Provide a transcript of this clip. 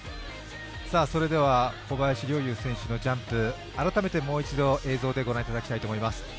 それでは小林陵侑選手のジャンプ、改めて映像でご覧いただきたいと思います。